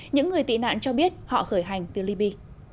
những người tị nạn cho biết họ khởi hành tiêu ly bi